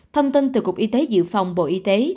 thông tin từ cục y tế dự phòng bộ y tế